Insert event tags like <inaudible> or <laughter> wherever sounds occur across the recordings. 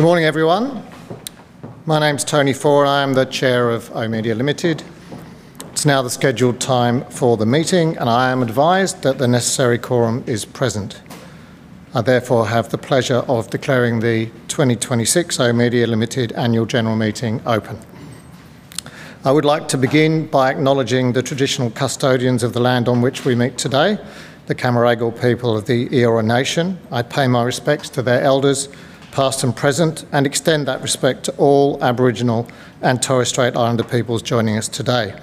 Good morning, everyone. My name is Tony Faure. I'm the chair of oOh!media Limited. It's now the scheduled time for the meeting, and I am advised that the necessary quorum is present. I therefore have the pleasure of declaring the 2026 oOh!media Limited Annual General Meeting open. I would like to begin by acknowledging the traditional custodians of the land on which we meet today, the Cammeraygal people of the Eora nation. I pay my respects to their elders, past and present, and extend that respect to all Aboriginal and Torres Strait Islander peoples joining us today.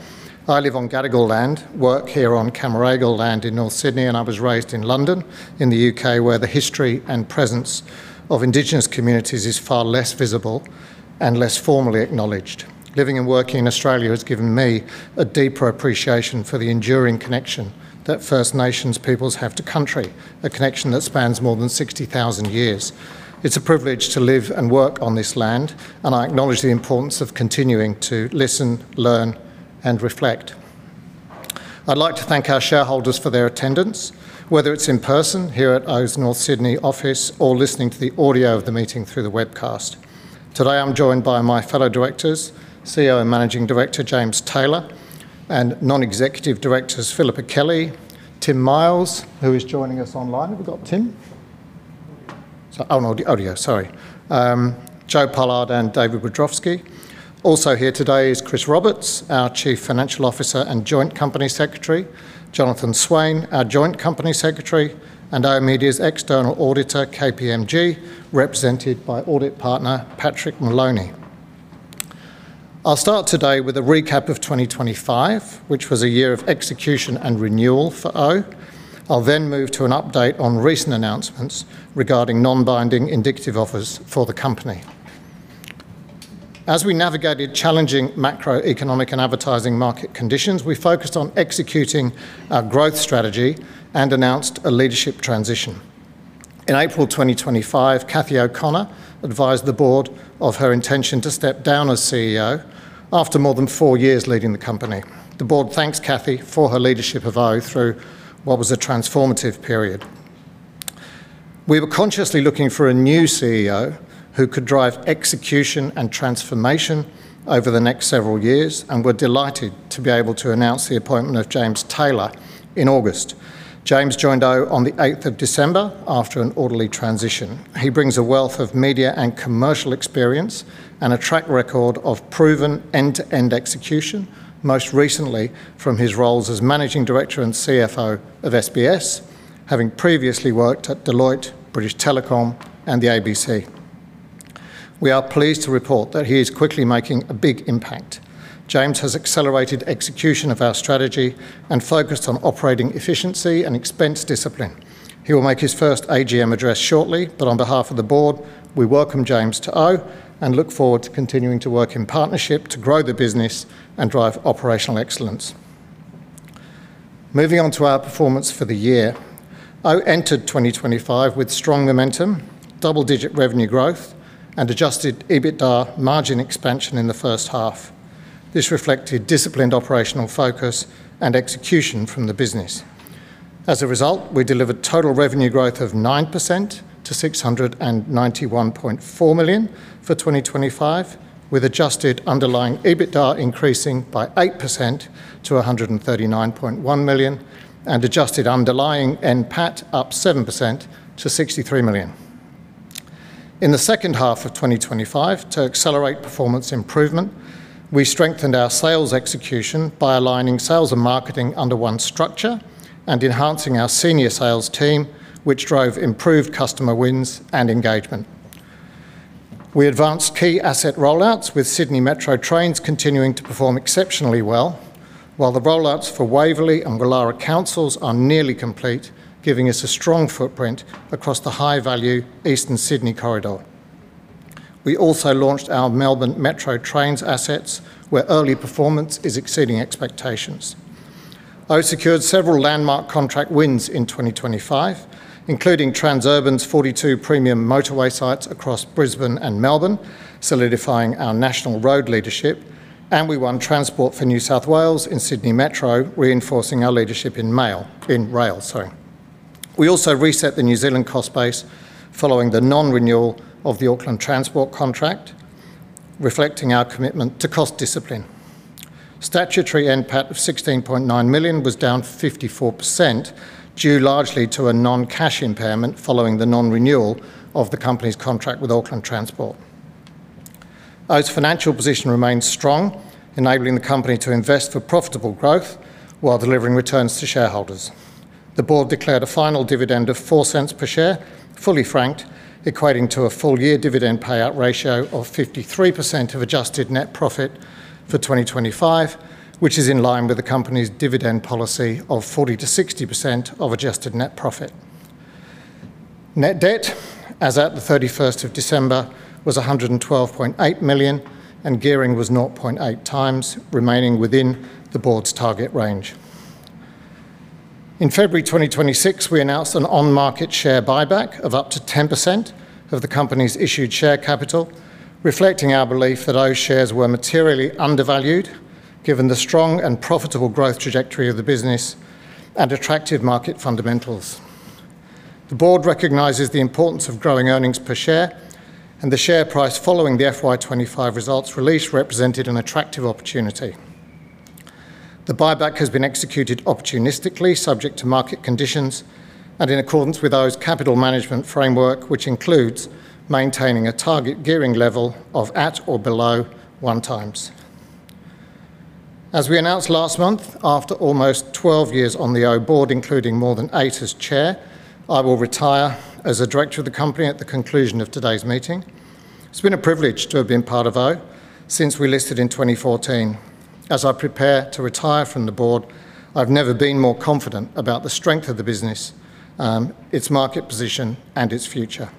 I live on Gadigal land, work here on Cammeraygal land in North Sydney, and I was raised in London in the U.K., where the history and presence of indigenous communities is far less visible and less formally acknowledged. Living and working in Australia has given me a deeper appreciation for the enduring connection that First Nations peoples have to country, a connection that spans more than 60,000 years. It's a privilege to live and work on this land, and I acknowledge the importance of continuing to listen, learn, and reflect. I'd like to thank our shareholders for their attendance, whether it's in person here at oOh!'s North Sydney office or listening to the audio of the meeting through the webcast. Today, I'm joined by my fellow directors, CEO and Managing Director James Taylor, and non-executive directors Philippa Kelly, Tim Miles, who is joining us online. Have we got Tim? On audio, sorry, Jo Pollard and David Wiadrowski. Also here today is Chris Roberts, our Chief Financial Officer and Joint Company Secretary, Jonathan Swain, our Joint Company Secretary, and oOh!media's external auditor, KPMG, represented by Audit Partner Patrick Maloney. I'll start today with a recap of 2025, which was a year of execution and renewal for oOh!. I'll move to an update on recent announcements regarding non-binding indicative offers for the company. As we navigated challenging macroeconomic and advertising market conditions, we focused on executing our growth strategy and announced a leadership transition. In April 2025, Cathy O'Connor advised the board of her intention to step down as CEO after more than four years leading the company. The board thanks Cathy for her leadership of oOh! through what was a transformative period. We were consciously looking for a new CEO who could drive execution and transformation over the next several years, and we're delighted to be able to announce the appointment of James Taylor in August. James joined oOh! on the 8th of December after an orderly transition. He brings a wealth of media and commercial experience and a track record of proven end-to-end execution, most recently from his roles as Managing Director and CFO of SBS, having previously worked at Deloitte, British Telecom, and the ABC. We are pleased to report that he is quickly making a big impact. James has accelerated execution of our strategy and focused on operating efficiency and expense discipline. He will make his first AGM address shortly, but on behalf of the board, we welcome James to oOh! And look forward to continuing to work in partnership to grow the business and drive operational excellence. Moving on to our performance for the year, oOh! Entered 2025 with strong momentum, double-digit revenue growth, and adjusted EBITDA margin expansion in the first half. This reflected disciplined operational focus and execution from the business. As a result, we delivered total revenue growth of 9% to 691.4 million for 2025, with adjusted underlying EBITDA increasing by 8% to 139.1 million and adjusted underlying NPAT up 7% to 63 million. In the second half of 2025, to accelerate performance improvement, we strengthened our sales execution by aligning sales and marketing under one structure and enhancing our senior sales team, which drove improved customer wins and engagement. We advanced key asset rollouts, with Sydney Metro trains continuing to perform exceptionally well, while the rollouts for Waverley and Woollahra Councils are nearly complete, giving us a strong footprint across the high-value Eastern Sydney corridor. We also launched our Melbourne Metro trains assets, where early performance is exceeding expectations. oOh! Secured several landmark contract wins in 2025, including Transurban's 42 premium motorway sites across Brisbane and Melbourne, solidifying our national road leadership, and we won Transport for New South Wales in Sydney Metro, reinforcing our leadership in rail, sorry. We also reset the New Zealand cost base following the non-renewal of the Auckland Transport contract, reflecting our commitment to cost discipline. Statutory NPAT of 16.9 million was down 54%, due largely to a non-cash impairment following the non-renewal of the company's contract with Auckland Transport. oOh!'s financial position remains strong, enabling the company to invest for profitable growth while delivering returns to shareholders. The board declared a final dividend of 0.04 per share, fully franked, equating to a full year dividend payout ratio of 53% of adjusted net profit for 2025, which is in line with the company's dividend policy of 40%-60% of adjusted net profit. Net debt as at the 31st of December was 112.8 million, and gearing was 0.8x, remaining within the board's target range. In February 2026, we announced an on-market share buyback of up to 10% of the company's issued share capital, reflecting our belief that oOh! shares were materially undervalued given the strong and profitable growth trajectory of the business and attractive market fundamentals. The board recognizes the importance of growing earnings per share, the share price following the FY 2025 results release represented an attractive opportunity. The buyback has been executed opportunistically, subject to market conditions, and in accordance with oOh!'s capital management framework, which includes maintaining a target gearing level of at or below one times. As we announced last month, after almost 12 years on the oOh! board, including more than eight as chair, I will retire as a director of the company at the conclusion of today's meeting. It's been a privilege to have been part of oOh! since we listed in 2014. As I prepare to retire from the board, I've never been more confident about the strength of the business, its market position, and its future.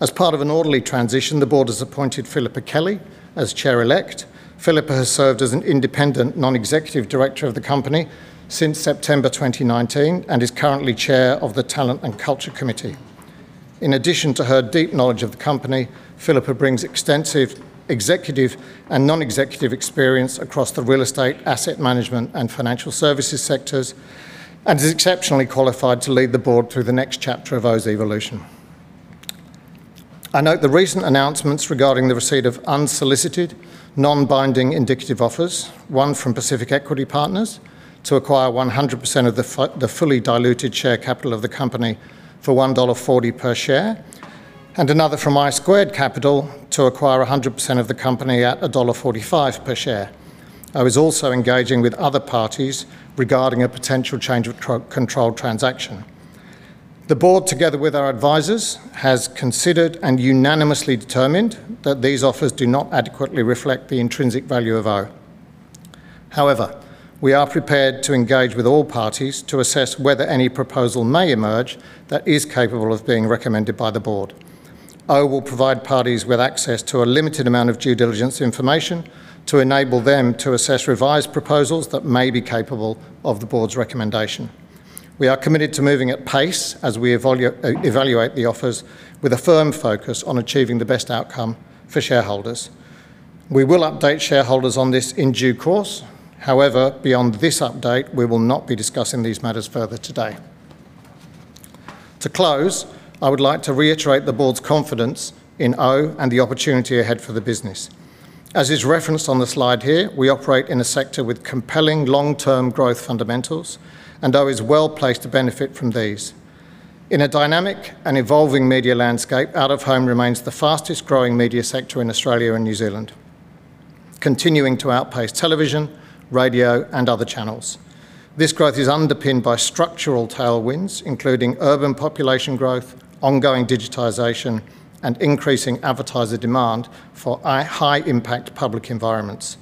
As part of an orderly transition, the board has appointed Philippa Kelly as Chair elect. Philippa has served as an independent non-executive director of the company since September 2019, and is currently chair of the Talent and Culture Committee. In addition to her deep knowledge of the company, Philippa brings extensive executive and non-executive experience across the real estate, asset management, and financial services sectors, and is exceptionally qualified to lead the board through the next chapter of oOh!'s evolution. I note the recent announcements regarding the receipt of unsolicited, non-binding indicative offers, one from Pacific Equity Partners to acquire 100% of the fully diluted share capital of the company for 1.40 dollar per share, and another from I Squared Capital to acquire 100% of the company at dollar 1.45 per share. oOh! is also engaging with other parties regarding a potential change of control transaction. The board, together with our advisors, has considered and unanimously determined that these offers do not adequately reflect the intrinsic value of oOh!. However, we are prepared to engage with all parties to assess whether any proposal may emerge that is capable of being recommended by the board. oOh! will provide parties with access to a limited amount of due diligence information to enable them to assess revised proposals that may be capable of the board's recommendation. We are committed to moving at pace as we evaluate the offers with a firm focus on achieving the best outcome for shareholders. We will update shareholders on this in due course. However, beyond this update, we will not be discussing these matters further today. To close, I would like to reiterate the board's confidence in oOh! and the opportunity ahead for the business. As is referenced on the slide here, we operate in a sector with compelling long-term growth fundamentals, and oOh! is well-placed to benefit from these. In a dynamic and evolving media landscape, Out of Home remains the fastest growing media sector in Australia and New Zealand, continuing to outpace television, radio, and other channels. This growth is underpinned by structural tailwinds, including urban population growth, ongoing digitization, and increasing advertiser demand for a high impact public environments.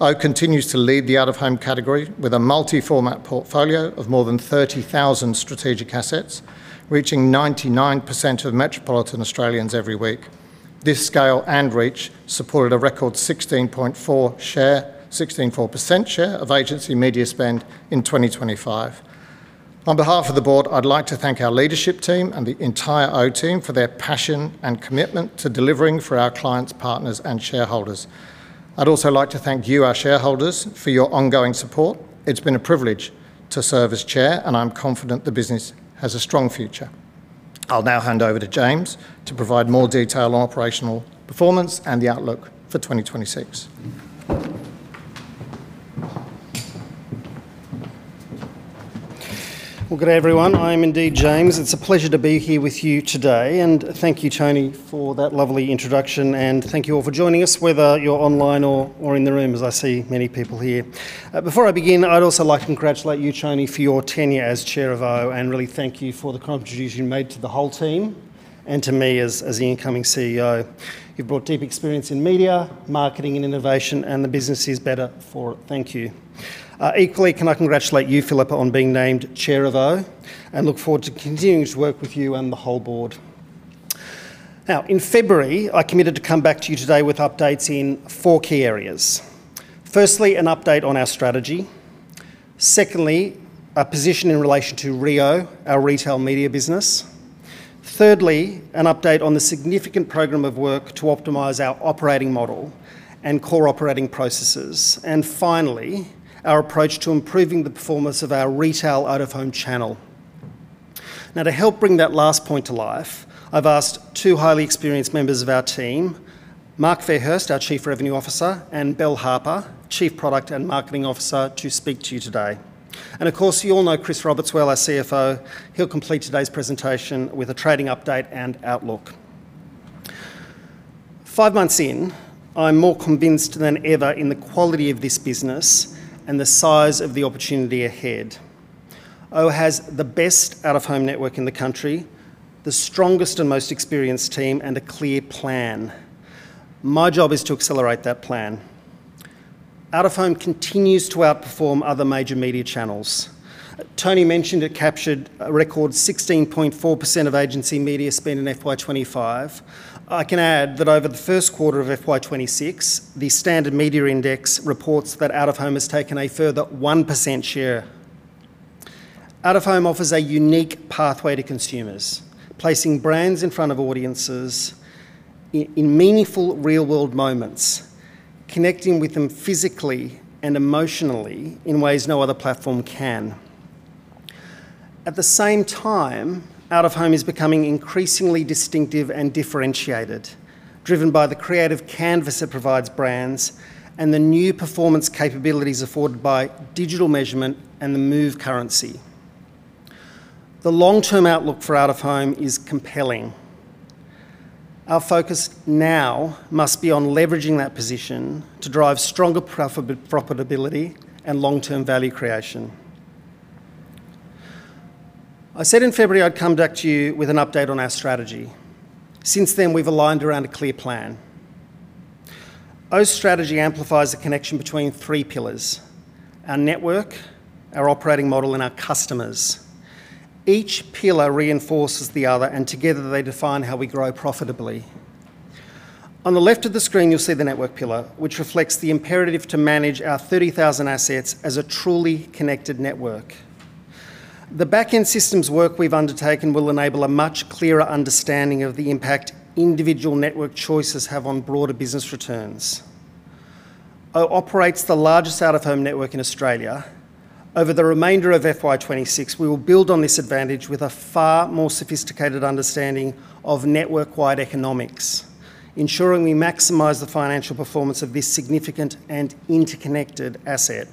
oOh! continues to lead the Out of Home category with a multi-format portfolio of more than 30,000 strategic assets, reaching 99% of metropolitan Australians every week. This scale and reach supported a record 16.4 share, 16.4% share of agency media spend in 2025. On behalf of the board, I'd like to thank our leadership team and the entire oOh! team for their passion and commitment to delivering for our clients, partners, and shareholders. I'd also like to thank you, our shareholders, for your ongoing support. It's been a privilege to serve as chair, and I'm confident the business has a strong future. I'll now hand over to James to provide more detail on operational performance and the outlook for 2026. Well, good day everyone. I am indeed James. It's a pleasure to be here with you today. Thank you, Tony, for that lovely introduction, and thank you all for joining us, whether you're online or in the room, as I see many people here. Before I begin, I'd also like to congratulate you, Tony, for your tenure as Chair of oOh!, and really thank you for the contribution you made to the whole team and to me as the incoming CEO. You've brought deep experience in media, marketing, and innovation. The business is better for it. Thank you. Equally, can I congratulate you, Philippa, on being named Chair of oOh! and look forward to continuing to work with you and the whole board. In February, I committed to come back to you today with updates in four key areas. Firstly, an update on our strategy. Secondly, our position in relation to reo, our retail media business. Thirdly, an update on the significant program of work to optimize our operating model and core operating processes. Finally, our approach to improving the performance of our retail Out of Home channel. Now, to help bring that last point to life, I've asked two highly experienced members of our team, Mark Fairhurst, our Chief Revenue Officer, and Bel Harper, Chief Product and Marketing Officer, to speak to you today. Of course, you all know Chris Roberts well, our CFO. He'll complete today's presentation with a trading update and outlook. Five months in, I'm more convinced than ever in the quality of this business and the size of the opportunity ahead. oOh! has the best Out of Home network in the country, the strongest and most experienced team, and a clear plan. My job is to accelerate that plan. Out of Home continues to outperform other major media channels. Tony mentioned it captured a record 16.4% of agency media spend in FY 2025. I can add that over the first quarter of FY 2026, the Standard Media Index reports that Out of Home has taken a further 1% share. Out of Home offers a unique pathway to consumers, placing brands in front of audiences in meaningful real world moments, connecting with them physically and emotionally in ways no other platform can. At the same time, Out of Home is becoming increasingly distinctive and differentiated, driven by the creative canvas it provides brands and the new performance capabilities afforded by digital measurement and the MOVE currency. The long-term outlook for Out of Home is compelling. Our focus now must be on leveraging that position to drive stronger profitability and long-term value creation. I said in February I'd come back to you with an update on our strategy. Since then, we've aligned around a clear plan. oOh!'s strategy amplifies the connection between three pillars: our network, our operating model, and our customers. Each pillar reinforces the other, and together they define how we grow profitably. On the left of the screen, you'll see the network pillar, which reflects the imperative to manage our 30,000 assets as a truly connected network. The back-end systems work we've undertaken will enable a much clearer understanding of the impact individual network choices have on broader business returns. oOh! operates the largest Out of Home network in Australia. Over the remainder of FY 2026, we will build on this advantage with a far more sophisticated understanding of network-wide economics, ensuring we maximize the financial performance of this significant and interconnected asset.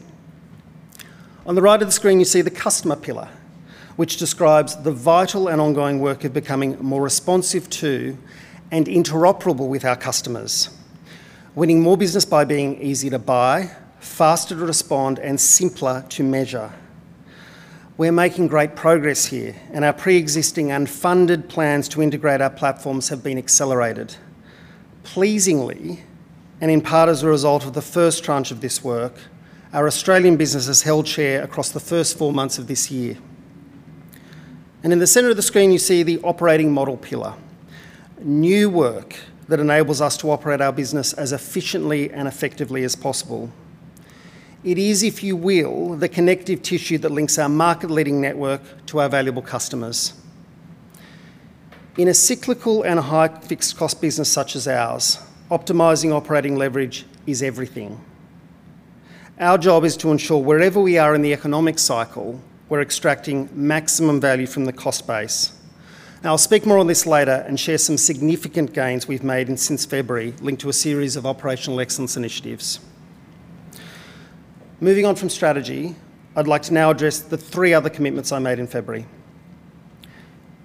On the right of the screen, you see the customer pillar, which describes the vital and ongoing work of becoming more responsive to and interoperable with our customers, winning more business by being easy to buy, faster to respond, and simpler to measure. We're making great progress here, and our preexisting and funded plans to integrate our platforms have been accelerated. Pleasingly, and in part as a result of the first tranche of this work, our Australian business has held share across the first four months of this year. In the center of the screen, you see the operating model pillar, new work that enables us to operate our business as efficiently and effectively as possible. It is, if you will, the connective tissue that links our market-leading network to our valuable customers. In a cyclical and a high fixed cost business such as ours, optimizing operating leverage is everything. Our job is to ensure wherever we are in the economic cycle, we're extracting maximum value from the cost base. Now, I'll speak more on this later and share some significant gains we've made and since February linked to a series of operational excellence initiatives. Moving on from strategy, I'd like to now address the three other commitments I made in February.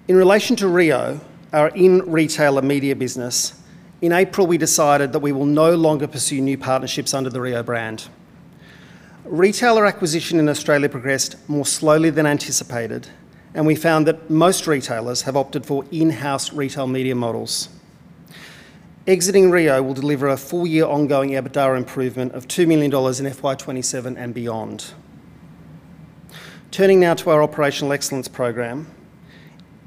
In relation to reo, our in retailer media business, in April, we decided that we will no longer pursue new partnerships under the reo brand. Retailer acquisition in Australia progressed more slowly than anticipated, and we found that most retailers have opted for in-house retail media models. Exiting reo will deliver a full-year ongoing EBITDA improvement of 2 million dollars in FY 2027 and beyond. Turning now to our operational excellence program.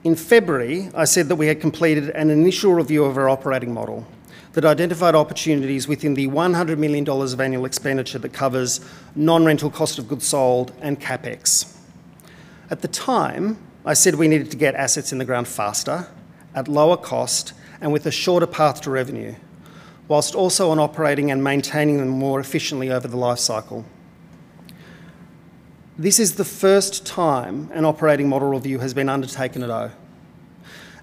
In February, I said that we had completed an initial review of our operating model that identified opportunities within the 100 million dollars of annual expenditure that covers non-rental cost of goods sold and CapEx. At the time, I said we needed to get assets in the ground faster, at lower cost, and with a shorter path to revenue, whilst also on operating and maintaining them more efficiently over the life cycle. This is the first time an operating model review has been undertaken at oOh!,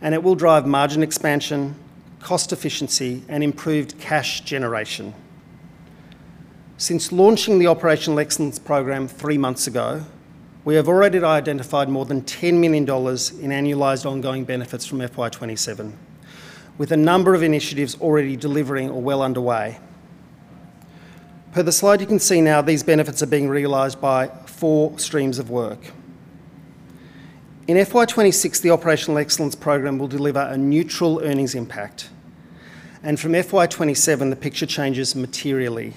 it will drive margin expansion, cost efficiency, and improved cash generation. Since launching the operational excellence program three months ago, we have already identified more than 10 million dollars in annualized ongoing benefits from FY 2027, with a number of initiatives already delivering or well underway. Per the slide you can see now, these benefits are being realized by four streams of work. In FY 2026, the operational excellence program will deliver a neutral earnings impact, and from FY 2027, the picture changes materially.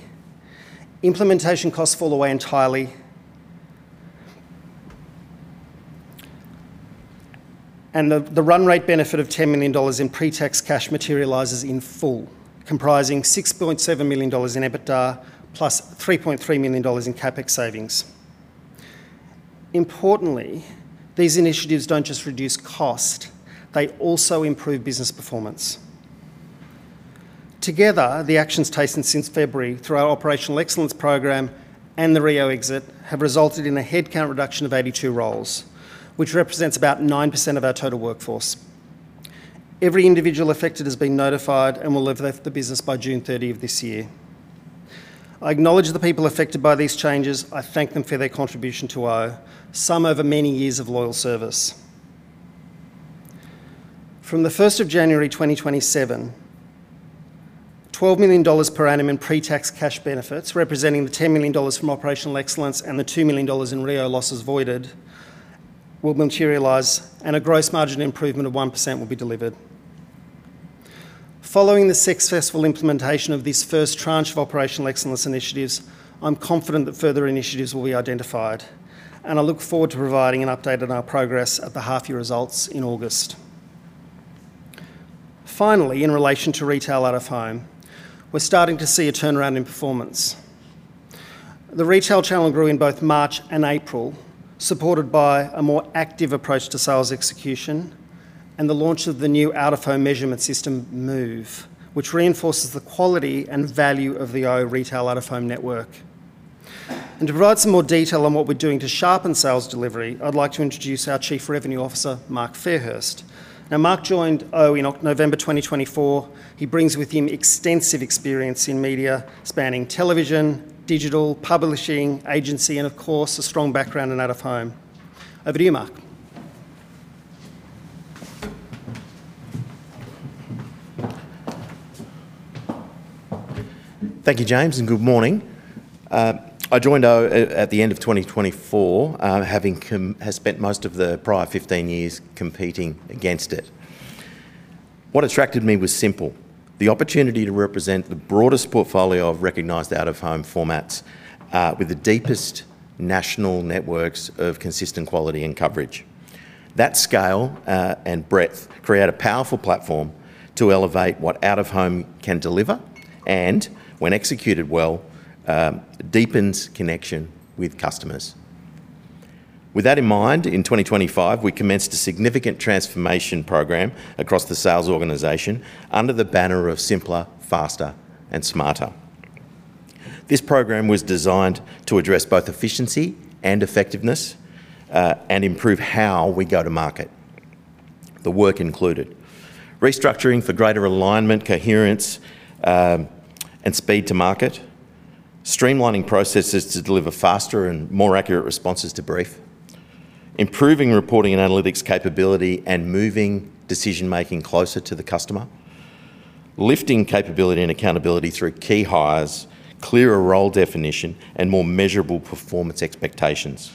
Implementation costs fall away entirely, and the run rate benefit of 10 million dollars in pre-tax cash materializes in full, comprising 6.7 million dollars in EBITDA plus 3.3 million dollars in CapEx savings. Importantly, these initiatives don't just reduce cost. They also improve business performance. Together, the actions taken since February through our operational excellence program and the reo exit have resulted in a headcount reduction of 82 roles, which represents about 9% of our total workforce. Every individual affected has been notified and will have left the business by June 30 of this year. I acknowledge the people affected by these changes. I thank them for their contribution to oOh!, some over many years of loyal service. From the first of January 2027, 12 million dollars per annum in pre-tax cash benefits, representing the 10 million dollars from operational excellence and the 2 million dollars in reo losses voided, will materialize, and a gross margin improvement of 1% will be delivered. Following the successful implementation of this first tranche of operational excellence initiatives, I'm confident that further initiatives will be identified, and I look forward to providing an update on our progress at the half-year results in August. Finally, in relation to retail Out of Home, we're starting to see a turnaround in performance. The retail channel grew in both March and April, supported by a more active approach to sales execution and the launch of the new Out of Home measurement system MOVE, which reinforces the quality and value of the oOh! retail Out of Home network. To provide some more detail on what we're doing to sharpen sales delivery, I'd like to introduce our Chief Revenue Officer, Mark Fairhurst. Mark joined oOh! in November 2024. He brings with him extensive experience in media, spanning television, digital, publishing, agency, and of course, a strong background in Out of Home. Over to you, Mark. Thank you, James, and good morning. I joined oOh! at the end of 2024, having spent most of the prior 15 years competing against it. What attracted me was simple, the opportunity to represent the broadest portfolio of recognized Out of Home formats, with the deepest national networks of consistent quality and coverage. That scale and breadth create a powerful platform to elevate what Out of Home can deliver and when executed well, deepens connection with customers. With that in mind, in 2025, we commenced a significant transformation program across the sales organization under the banner of simpler, faster, and smarter. This program was designed to address both efficiency and effectiveness, and improve how we go to market. The work included restructuring for greater alignment, coherence, and speed to market, streamlining processes to deliver faster and more accurate responses to brief, improving reporting and analytics capability and moving decision-making closer to the customer, lifting capability and accountability through key hires, clearer role definition, and more measurable performance expectations,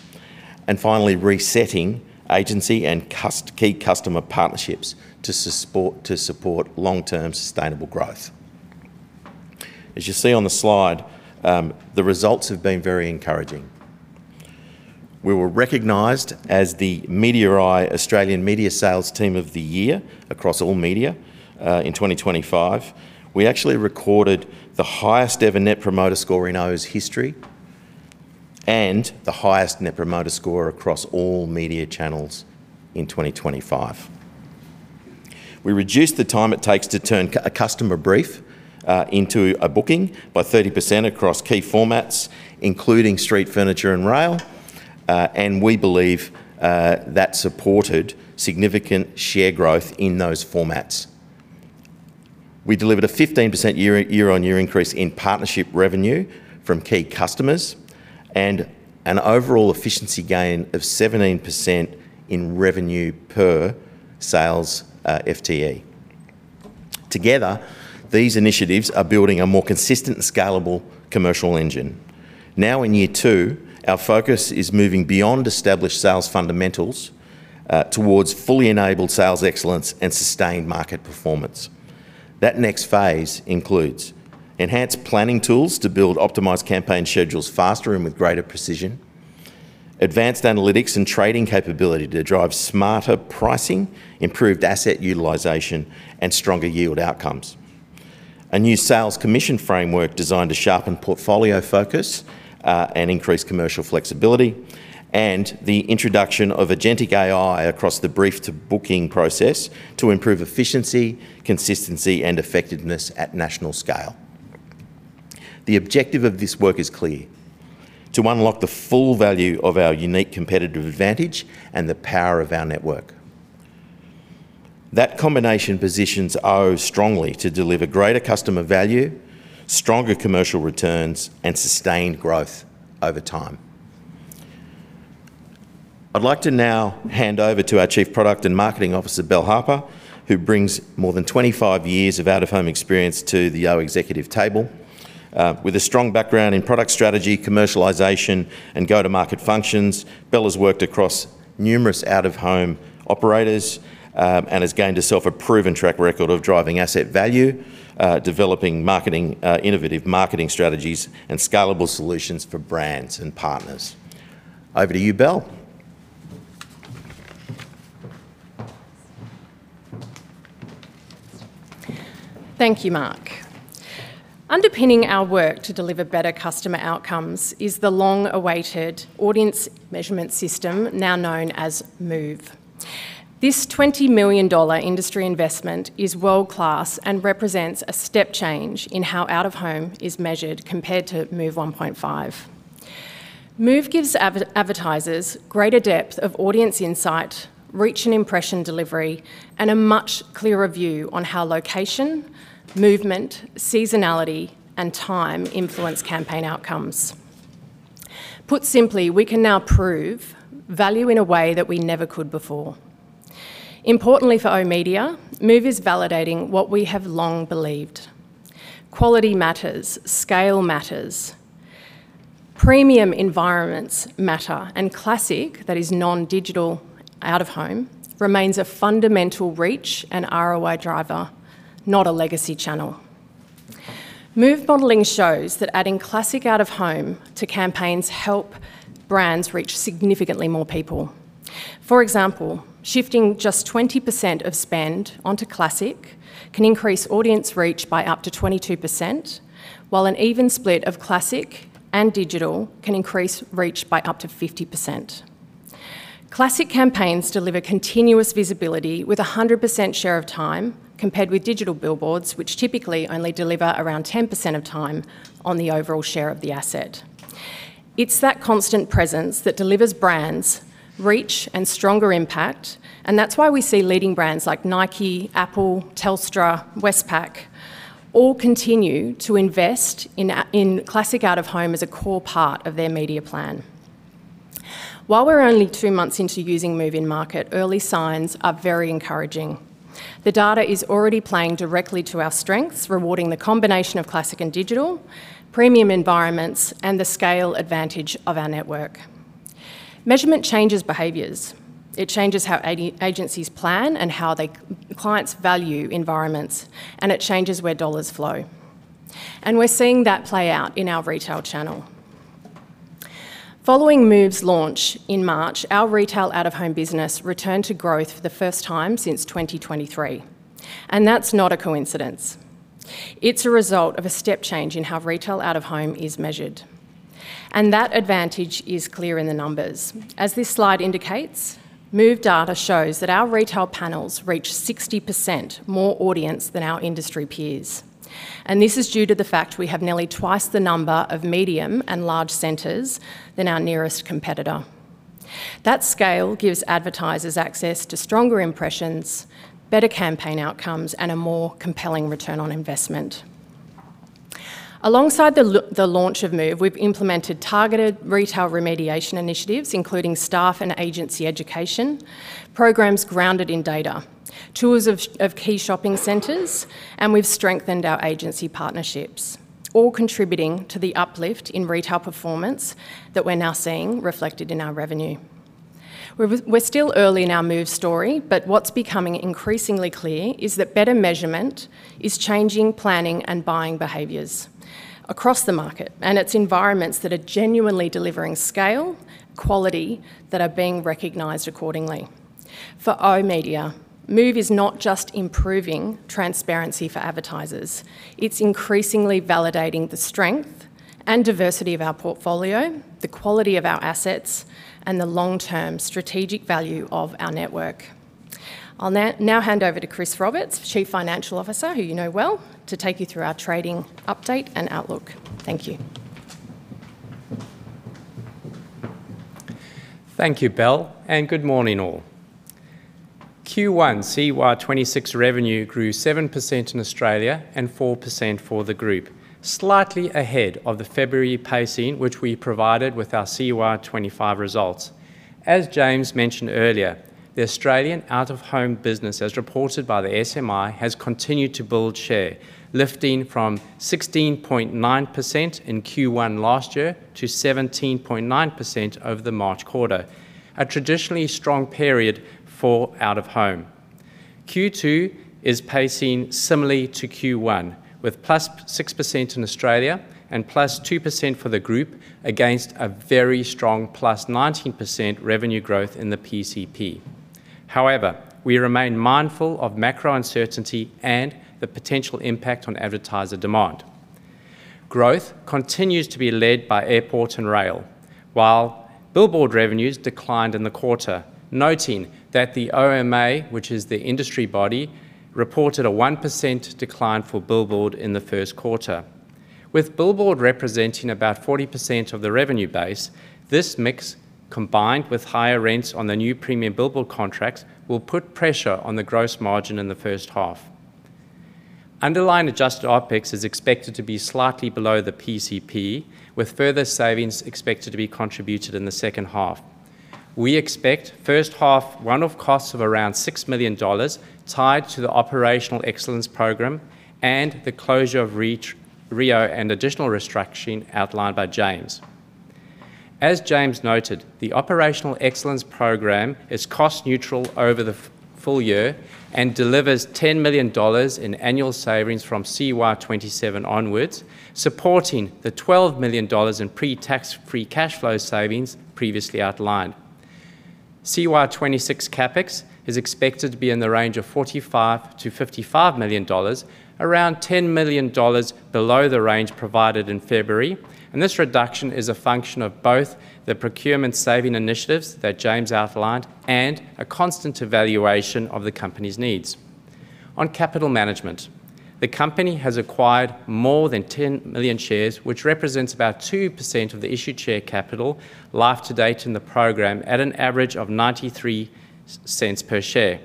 and finally, resetting agency and key customer partnerships to support long-term sustainable growth. As you see on the slide, the results have been very encouraging. We were recognized as the Mediaweek Australian Media Sales Team of the Year across all media in 2025. We actually recorded the highest ever Net Promoter Score in oOh!'s history and the highest net promoter score across all media channels in 2025. We reduced the time it takes to turn a customer brief into a booking by 30% across key formats, including street furniture and rail, and we believe that supported significant share growth in those formats. We delivered a 15% year-on-year increase in partnership revenue from key customers and an overall efficiency gain of 17% in revenue per sales FTE. Together, these initiatives are building a more consistent and scalable commercial engine. Now in year two, our focus is moving beyond established sales fundamentals towards fully enabled sales excellence and sustained market performance. That next phase includes enhanced planning tools to build optimized campaign schedules faster and with greater precision, advanced analytics and trading capability to drive smarter pricing, improved asset utilization, and stronger yield outcomes. A new sales commission framework designed to sharpen portfolio focus and increase commercial flexibility, and the introduction of agentic AI across the brief to booking process to improve efficiency, consistency, and effectiveness at national scale. The objective of this work is clear, to unlock the full value of our unique competitive advantage and the power of our network. That combination positions oOh! strongly to deliver greater customer value, stronger commercial returns, and sustained growth over time. I'd like to now hand over to our Chief Product and Marketing Officer, Bel Harper, who brings more than 25 years of Out of Home experience to the oOh!'s executive table. With a strong background in product strategy, commercialization, and go-to-market functions, Bel has worked across numerous Out of Home operators and has gained herself a proven track record of driving asset value, developing marketing, innovative marketing strategies, and scalable solutions for brands and partners. Over to you, Bel. Thank you, Mark. Underpinning our work to deliver better customer outcomes is the long-awaited audience measurement system, now known as MOVE. This 20 million dollar industry investment is world-class and represents a step change in how Out of Home is measured compared to MOVE 1.5. MOVE gives advertisers greater depth of audience insight, reach and impression delivery, and a much clearer view on how location, movement, seasonality, and time influence campaign outcomes. Put simply, we can now prove value in a way that we never could before. Importantly for oOh!media, MOVE is validating what we have long believed. Quality matters. Scale matters. Premium environments matter, and classic, that is non-digital Out of Home, remains a fundamental reach and ROI driver, not a legacy channel. MOVE modeling shows that adding classic Out of Home to campaigns help brands reach significantly more people. For example, shifting just 20% of spend onto classic can increase audience reach by up to 22%, while an even split of classic and digital can increase reach by up to 50%. Classic campaigns deliver continuous visibility with 100% share of time compared with digital billboards, which typically only deliver around 10% of time on the overall share of the asset. It's that constant presence that delivers brands reach and stronger impact and that's why we see leading brands like Nike, Apple, Telstra, Westpac all continue to invest in classic Out of Home as a core part of their media plan. While we're only two months into using MOVE In-Market, early signs are very encouraging. The data is already playing directly to our strengths, rewarding the combination of classic and digital, premium environments, and the scale advantage of our network. Measurement changes behaviors. It changes how agencies plan and how they clients value environments. It changes where dollars flow. We're seeing that play out in our retail channel. Following MOVE's launch in March, our retail Out of Home business returned to growth for the first time since 2023. That's not a coincidence. It's a result of a step change in how retail Out of Home is measured. That advantage is clear in the numbers. As this slide indicates, MOVE data shows that our retail panels reach 60% more audience than our industry peers. This is due to the fact we have nearly twice the number of medium and large centers than our nearest competitor. That scale gives advertisers access to stronger impressions, better campaign outcomes, and a more compelling return of investment. Alongside the launch of MOVE, we've implemented targeted retail remediation initiatives, including staff and agency education, programs grounded in data, tours of key shopping centers, and we've strengthened our agency partnerships, all contributing to the uplift in retail performance that we're now seeing reflected in our revenue. We're still early in our MOVE story, but what's becoming increasingly clear is that better measurement is changing planning and buying behaviors across the market, and it's environments that are genuinely delivering scale, quality, that are being recognized accordingly. For oOh!media, MOVE is not just improving transparency for advertisers, it's increasingly validating the strength and diversity of our portfolio, the quality of our assets, and the long-term strategic value of our network. I'll now hand over to Chris Roberts, Chief Financial Officer, who you know well, to take you through our trading update and outlook. Thank you. Thank you, Bel, and good morning all. Q1 CY 2026 revenue grew 7% in Australia and 4% for the group, slightly ahead of the February pacing which we provided with our CY 2025 results. As James mentioned earlier, the Australian Out of Home business, as reported by the SMI, has continued to build share, lifting from 16.9% in Q1 last year to 17.9% over the March quarter, a traditionally strong period for Out of Home. Q2 is pacing similarly to Q1, with +6% in Australia and +2% for the group against a very strong +19% revenue growth in the PCP. However, we remain mindful of macro uncertainty and the potential impact on advertiser demand. Growth continues to be led by airport and rail, while billboard revenues declined in the quarter, noting that the OMA, which is the industry body, reported a 1% decline for billboard in the first quarter. With billboard representing about 40% of the revenue base, this mix, combined with higher rents on the new premium billboard contracts, will put pressure on the gross margin in the first half. Underlying adjusted OpEx is expected to be slightly below the PCP with further savings expected to be contributed in the second half. We expect first half one-off costs of around 6 million dollars tied to the Operational Excellence Program and the closure of reach, reo, and additional restructuring outlined by James. As James noted, the Operational Excellence Program is cost neutral over the full year and delivers 10 million dollars in annual savings from CY 2027 onwards, supporting the 12 million dollars in pre-tax free cash flow savings previously outlined. CY 2026 CapEx is expected to be in the range of 45 million-55 million dollars, around 10 million dollars below the range provided in February, and this reduction is a function of both the procurement saving initiatives that James outlined and a constant evaluation of the company's needs. On capital management, the company has acquired more than 10 million shares, which represents about 2% of the issued share capital life to date in the program at an average of 0.93 per share.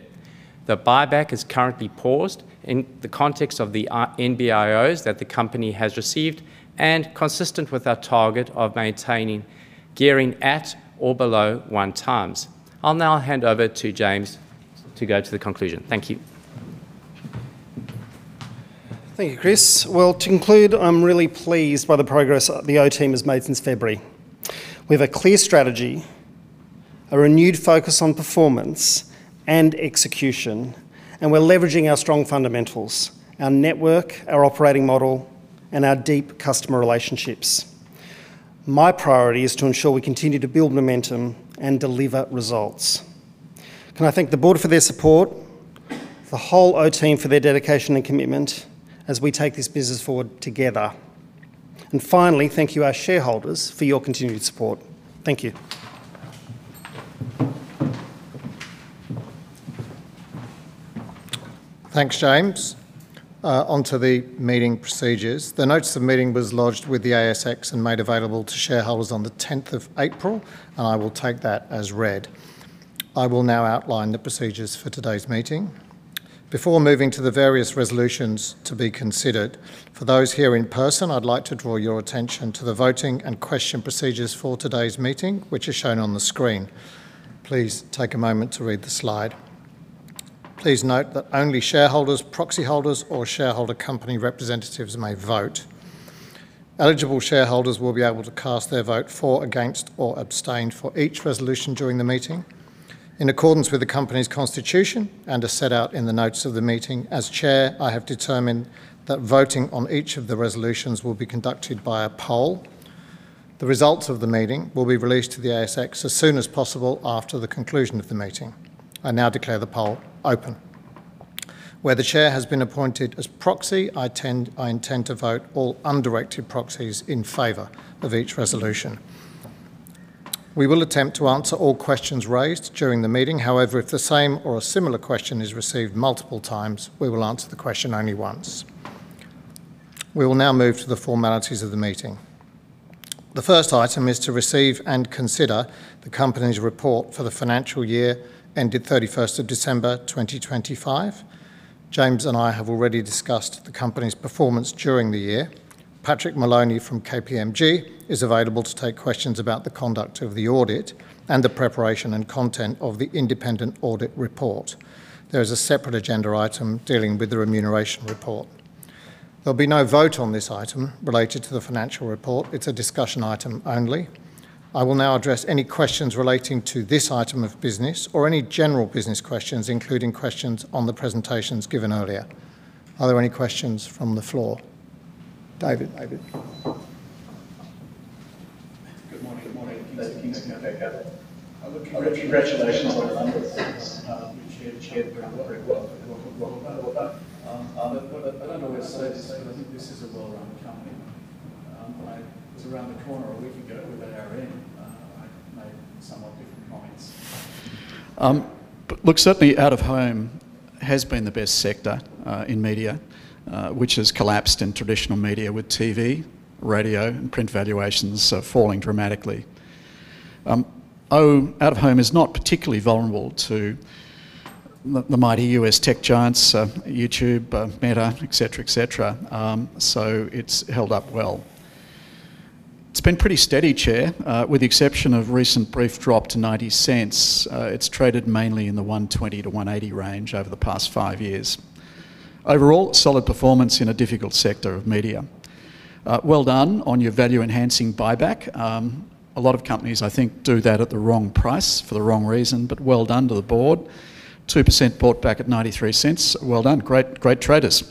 The buyback is currently paused in the context of the NBIOs that the company has received and consistent with our target of maintaining gearing at or below one times. I will now hand over to James to go to the conclusion. Thank you. Thank you, Chris. Well, to conclude, I'm really pleased by the progress the oOh! team has made since February. We have a clear strategy, a renewed focus on performance and execution, and we're leveraging our strong fundamentals, our network, our operating model, and our deep customer relationships. My priority is to ensure we continue to build momentum and deliver results. And I thank the board for their support, the whole oOh! Team for their dedication and commitment as we take this business forward together. Finally, thank you, our shareholders, for your continued support. Thank you. Thanks, James. Onto the meeting procedures. The notes of the meeting was lodged with the ASX and made available to shareholders on the 10th of April, and I will take that as read. I will now outline the procedures for today's meeting. Before moving to the various resolutions to be considered, for those here in person, I'd like to draw your attention to the voting and question procedures for today's meeting, which is shown on the screen. Please take a moment to read the slide. Please note that only shareholders, proxy holders, or shareholder company representatives may vote. Eligible shareholders will be able to cast their vote for, against, or abstain for each resolution during the meeting in accordance with the company's constitution and as set out in the notes of the meeting. As chair, I have determined that voting on each of the resolutions will be conducted by a poll. The results of the meeting will be released to the ASX as soon as possible after the conclusion of the meeting. I now declare the poll open. Where the chair has been appointed as proxy, I intend to vote all undirected proxies in favor of each resolution. We will attempt to answer all questions raised during the meeting. If the same or a similar question is received multiple times, we will answer the question only once. We will now move to the formalities of the meeting. The first item is to receive and consider the company's report for the financial year ended 31st of December, 2025. James and I have already discussed the company's performance during the year. Patrick Maloney from KPMG is available to take questions about the conduct of the audit and the preparation and content of the independent audit report. There is a separate agenda item dealing with the remuneration report. There will be no vote on this item related to the financial report. It is a discussion item only. I will now address any questions relating to this item of business or any general business questions, including questions on the presentations given earlier. Are there any questions from the floor? David. David. Good morning. <inaudible> Congratulations on the run. You've chaired very well. Very well. Well done. I don't always say this, but I think this is a well-run company. When I was around the corner a week ago with our team, I made somewhat different comments. Look, certainly Out of Home has been the best sector in media, which has collapsed in traditional media with TV, radio, and print valuations falling dramatically. Out of Home is not particularly vulnerable to the mighty U.S. tech giants, YouTube, Meta, et cetera, et cetera. It's held up well. It's been pretty steady, Chair. With the exception of recent brief drop to 0.90, it's traded mainly in the 1.20-1.80 range over the past five years. Overall, solid performance in a difficult sector of media. Well done on your value-enhancing buyback. A lot of companies, I think, do that at the wrong price for the wrong reason, but well done to the board. 2% bought back at 0.93. Well done. Great traders.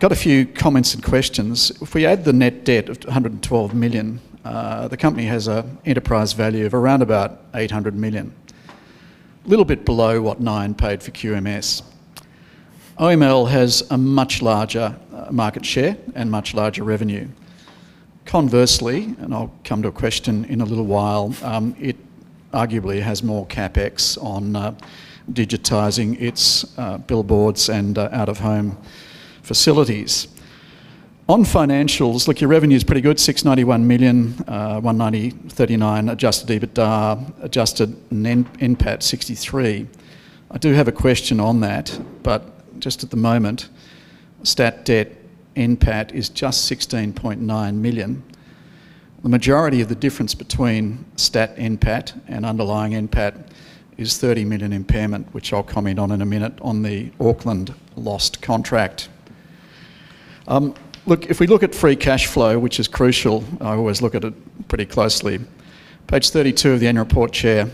Got a few comments and questions. If we add the net debt of 212 million, the company has a enterprise value of around 800 million. Little bit below what Nine paid for QMS. OML has a much larger market share and much larger revenue. Conversely, I'll come to a question in a little while, it arguably has more CapEx on digitizing its billboards and Out of Home facilities. On financials, look, your revenue's pretty good, 691 million, 190.39 adjusted EBITDA, adjusted NPAT 63. I do have a question on that. At the moment, stat NPAT is just 16.9 million. The majority of the difference between stat NPAT and underlying NPAT is 30 million impairment, which I'll comment on in a minute on the Auckland lost contract. Look, if we look at free cash flow, which is crucial, I always look at it pretty closely. Page 32 of the annual report, Chair.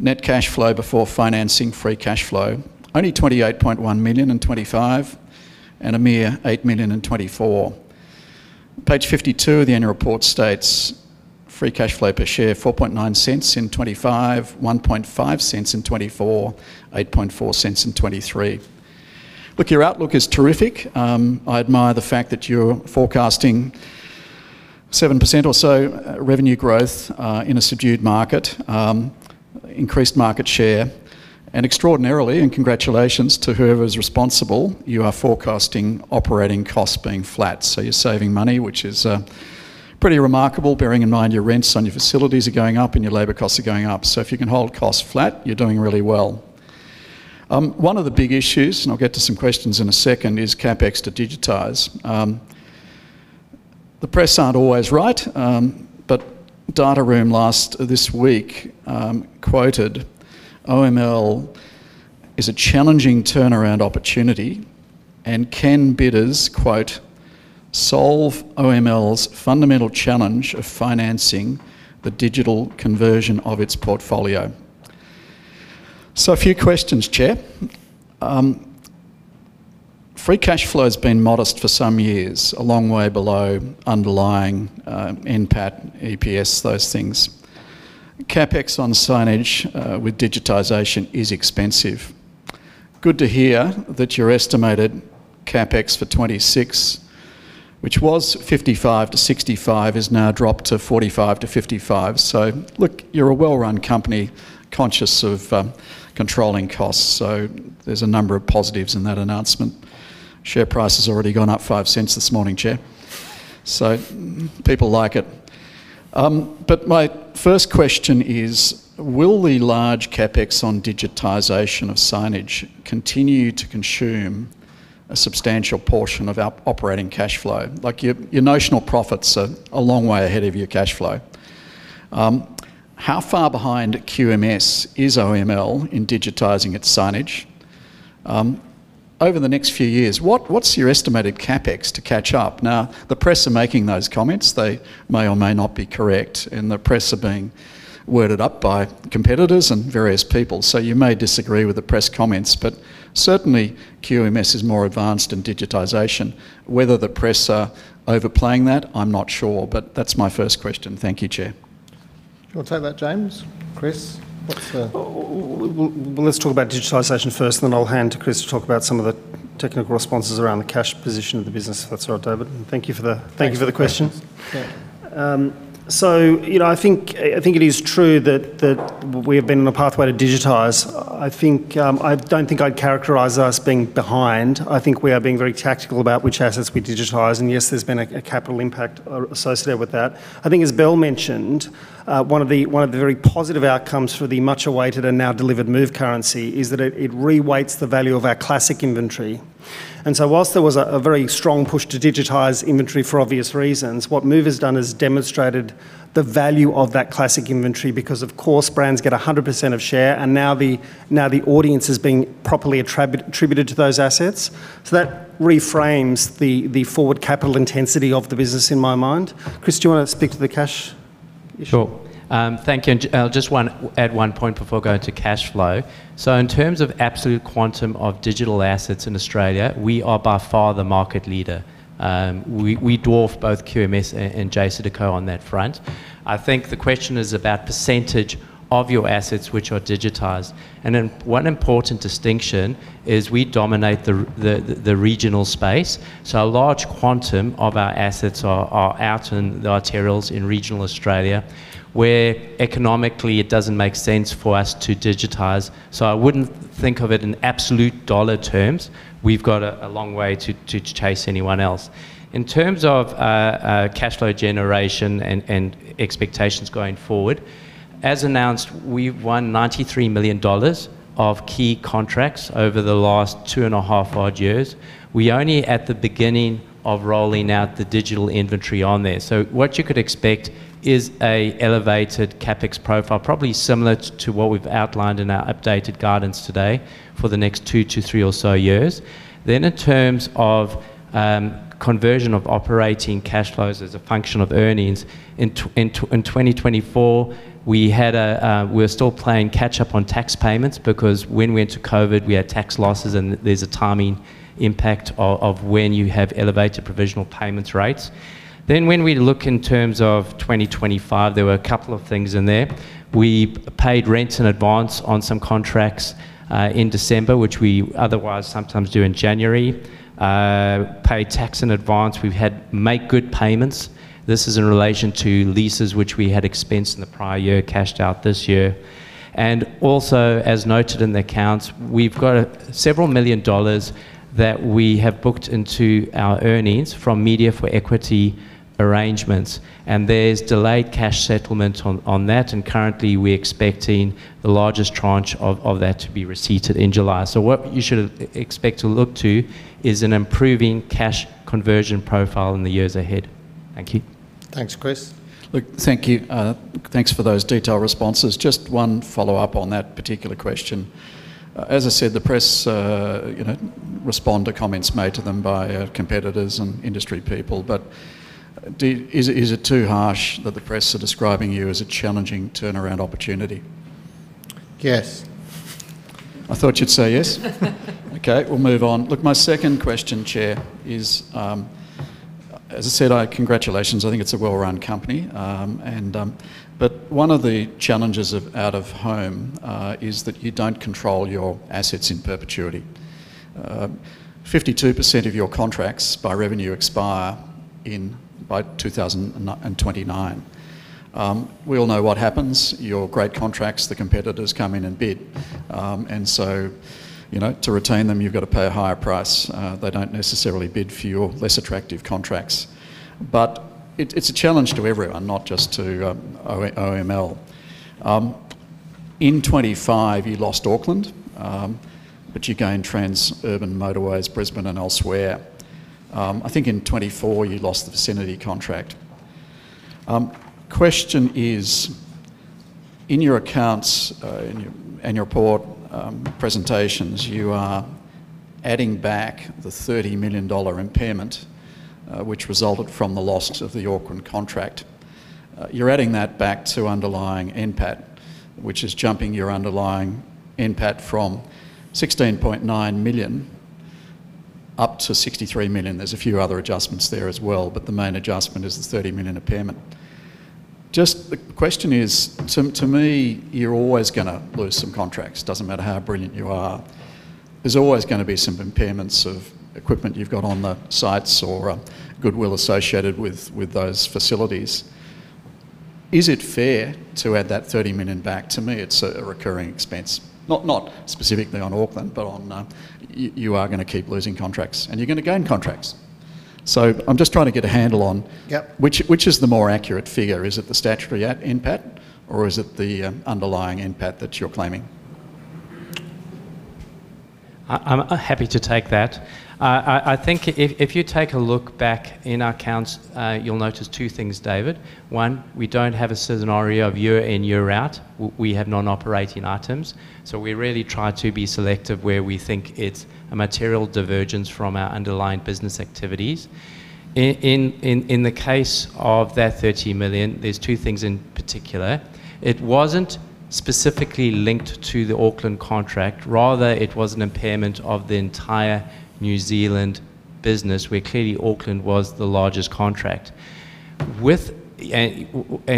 Net cash flow before financing free cash flow, only 28.1 million in 2025, a mere 8 million in 2024. Page 52 of the annual report states free cash flow per share, 0.049 in 2025, 0.015 in 2024, 0.084 in 2023. Look, your outlook is terrific. I admire the fact that you're forecasting 7% or so revenue growth in a subdued market, increased market share. Extraordinarily, and congratulations to whoever's responsible, you are forecasting operating costs being flat. You're saving money, which is pretty remarkable, bearing in mind your rents on your facilities are going up and your labor costs are going up. If you can hold costs flat, you're doing really well. One of the big issues, and I'll get to some questions in a second, is CapEx to digitize. The press aren't always right, but DataRoom last this week quoted OML is a challenging turnaround opportunity and can bidders, quote, Solve OML's fundamental challenge of financing the digital conversion of its portfolio. A few questions, Chair. Free cash flow has been modest for some years, a long way below underlying NPAT, EPS, those things. CapEx on signage, with digitization is expensive. Good to hear that your estimated CapEx for 2026, which was 55 million-65 million, has now dropped to 45 million-55 million. You're a well-run company conscious of controlling costs, there's a number of positives in that announcement. Share price has already gone up 0.05 this morning, Chair, people like it. My first question is, will the large CapEx on digitization of signage continue to consume a substantial portion of operating cash flow? Your notional profits are a long way ahead of your cash flow. How far behind QMS is OML in digitizing its signage? Over the next few years, what's your estimated CapEx to catch up? Now, the press are making those comments. They may or may not be correct, and the press are being worded up by competitors and various people. You may disagree with the press comments, but certainly QMS is more advanced in digitization. Whether the press are overplaying that, I'm not sure, but that's my first question. Thank you, Chair. Do you wanna take that, James? Chris? Well, well, well, let's talk about digitization first, I'll hand to Chris to talk about some of the technical responses around the cash position of the business, if that's all right, David. Thank you for the- Thanks. Thank you for the question. Yes. You know, I think it is true that we have been on the pathway to digitize. I think I don't think I'd characterize us being behind. I think we are being very tactical about which assets we digitize, and yes, there's been a capital impact associated with that. I think as Bel mentioned, one of the very positive outcomes for the much awaited and now delivered MOVE currency is that it re-weights the value of our classic inventory. Whilst there was a very strong push to digitize inventory for obvious reasons, what MOVE has done is demonstrated the value of that classic inventory because of course brands get 100% of share, and now the audience is being properly attributed to those assets. That reframes the forward capital intensity of the business in my mind. Chris, do you wanna speak to the cash issue? Sure. Thank you. I'll just add one point before I go into cash flow. In terms of absolute quantum of digital assets in Australia, we are by far the market leader. We dwarf both QMS and JCDecaux on that front. I think the question is about percentage of your assets which are digitized. Then one important distinction is we dominate the regional space. A large quantum of our assets are out in the arterials in regional Australia, where economically it doesn't make sense for us to digitize. I wouldn't think of it in absolute dollar terms. We've got a long way to chase anyone else. In terms of cash flow generation and expectations going forward, as announced, we've won 93 million dollars of key contracts over the last two and a half odd years. We're only at the beginning of rolling out the digital inventory on there. What you could expect is an elevated CapEx profile, probably similar to what we've outlined in our updated guidance today, for the next two to three or so years. In terms of conversion of operating cash flows as a function of earnings, in 2024, We're still playing catch up on tax payments because when we entered COVID, we had tax losses, and there's a timing impact of when you have elevated provisional payments rates. When we look in terms of 2025, there were a couple of things in there. We paid rents in advance on some contracts in December, which we otherwise sometimes do in January, paid tax in advance. We've had make good payments. This is in relation to leases which we had expensed in the prior year, cashed out this year. Also, as noted in the accounts, we've got a several million dollars that we have booked into our earnings from media for equity arrangements, and there's delayed cash settlement on that, and currently we're expecting the largest tranche of that to be receipted in July. What you should expect to look to is an improving cash conversion profile in the years ahead. Thank you. Thanks, Chris. Look, thank you. Thanks for those detailed responses. Just one follow-up on that particular question. As I said, the press, you know, respond to comments made to them by competitors and industry people. Is it too harsh that the press are describing you as a challenging turnaround opportunity? Yes. I thought you'd say yes. We'll move on. My second question, Chair, is, as I said, congratulations, I think it's a well-run company. One of the challenges of Out of Home is that you don't control your assets in perpetuity. 52% of your contracts by revenue expire in, by 2029. We all know what happens. Your great contracts, the competitors come in and bid. You know, to retain them, you've got to pay a higher price. They don't necessarily bid for your less attractive contracts. It's a challenge to everyone, not just to OML. In 2025, you lost Auckland, you gained Transurban Motorways Brisbane and elsewhere. I think in 2024, you lost the Vicinity contract. Question is, in your accounts, in your annual report, presentations, you are adding back the 30 million dollar impairment, which resulted from the loss of the Auckland contract. You're adding that back to underlying NPAT, which is jumping your underlying NPAT from 16.9 million up to 63 million. There's a few other adjustments there as well, the main adjustment is the 30 million impairment. The question is, to me, you're always gonna lose some contracts, doesn't matter how brilliant you are. There's always gonna be some impairments of equipment you've got on the sites or goodwill associated with those facilities. Is it fair to add that 30 million back? To me, it's a recurring expense. Not specifically on Auckland, but on, you are gonna keep losing contracts, and you're gonna gain contracts. I'm just trying to get a handle on. Yep. Which is the more accurate figure? Is it the statutory at NPAT, or is it the underlying NPAT that you're claiming? I'm happy to take that. I think if you take a look back in our accounts, you'll notice two things, David. One, we don't have a scenario of year in, year out. We have non-operating items, so we really try to be selective where we think it's a material divergence from our underlying business activities. In the case of that 30 million, there's two things in particular. It wasn't specifically linked to the Auckland contract. Rather, it was an impairment of the entire New Zealand business, where clearly Auckland was the largest contract.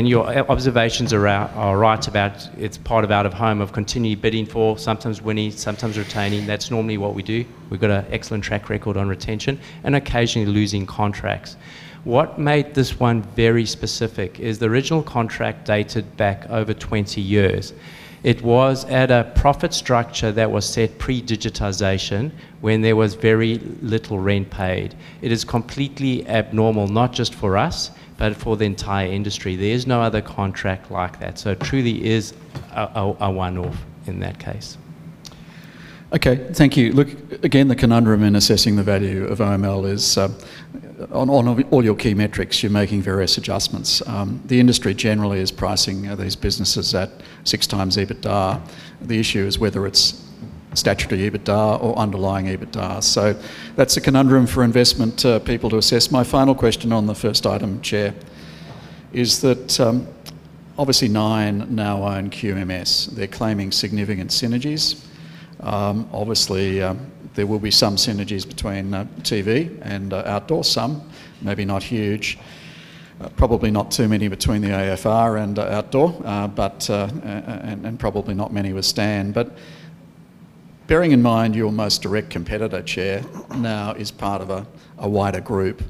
Your observations are right about it's part of Out of Home, of continued bidding for, sometimes winning, sometimes retaining. That's normally what we do. We've got an excellent track record on retention, and occasionally losing contracts. What made this one very specific is the original contract dated back over 20 years. It was at a profit structure that was set pre-digitization, when there was very little rent paid. It is completely abnormal, not just for us, but for the entire industry. There is no other contract like that, so it truly is a one-off in that case. Okay. Thank you. Look, again, the conundrum in assessing the value of OML is, on all your key metrics, you're making various adjustments. The industry generally is pricing these businesses at six times EBITDA. The issue is whether it's statutory EBITDA or underlying EBITDA. That's a conundrum for investment people to assess. My final question on the first item, Chair, is that obviously Nine now own QMS. They're claiming significant synergies. Obviously, there will be some synergies between TV and outdoor, some, maybe not huge. Probably not too many between the AFR and outdoor, but and probably not many with Stan. Bearing in mind your most direct competitor, Chair, now is part of a wider group,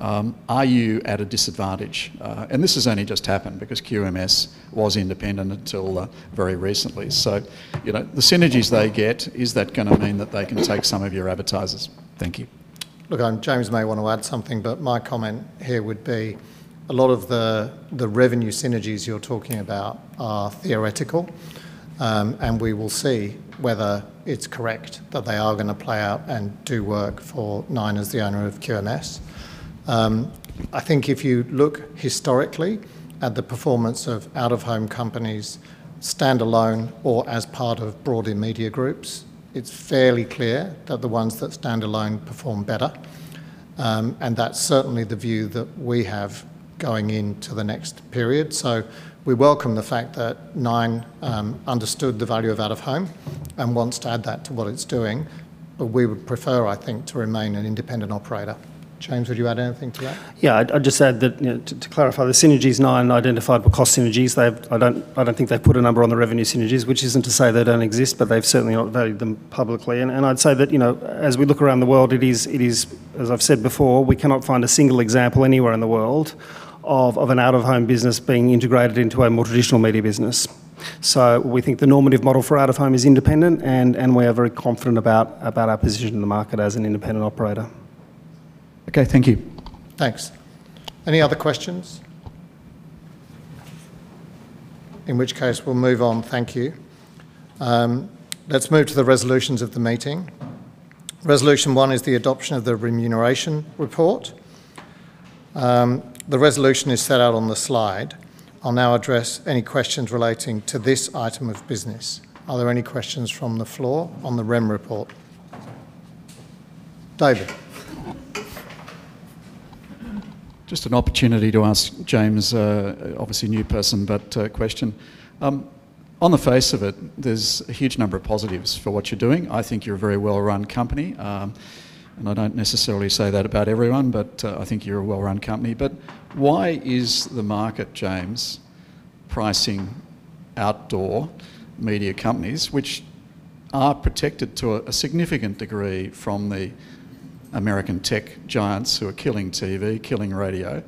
are you at a disadvantage? This has only just happened because QMS was independent until very recently. You know, the synergies they get, is that gonna mean that they can take some of your advertisers? Thank you. Look, James may wanna add something, but my comment here would be a lot of the revenue synergies you're talking about are theoretical. We will see whether it's correct that they are gonna play out and do work for Nine as the owner of QMS. I think if you look historically at the performance of Out of Home companies standalone or as part of broader media groups, it's fairly clear that the ones that standalone perform better. That's certainly the view that we have going into the next period. We welcome the fact that Nine understood the value of Out of Home and wants to add that to what it's doing. We would prefer, I think, to remain an independent operator. James, would you add anything to that? Yeah, I'd just add that, you know, to clarify, the synergies Nine identified were cost synergies. They've, I don't think they've put a number on the revenue synergies, which isn't to say they don't exist, but they've certainly not valued them publicly. I'd say that, you know, as we look around the world, it is, as I've said before, we cannot find a single example anywhere in the world of an Out of Home business being integrated into a more traditional media business. We think the normative model for Out of Home is independent, and we are very confident about our position in the market as an independent operator. Okay. Thank you. Thanks. Any other questions? In which case, we'll move on. Thank you. Let's move to the resolutions of the meeting. Resolution one is the adoption of the remuneration report. The resolution is set out on the slide. I'll now address any questions relating to this item of business. Are there any questions from the floor on the rem report? David. Just an opportunity to ask James, obviously a new person, but a question. On the face of it, there's a huge number of positives for what you're doing. I think you're a very well-run company. I don't necessarily say that about everyone, but I think you're a well-run company. Why is the market, James, pricing outdoor media companies, which are protected to a significant degree from the American tech giants who are killing TV, killing radio,